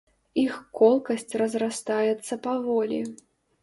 Іх колкасць разрастаецца паволі.